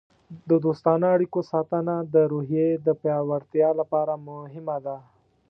د دوستانه اړیکو ساتنه د روحیې د پیاوړتیا لپاره مهمه ده.